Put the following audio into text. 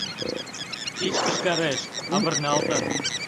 Пич кышкареш авырналтын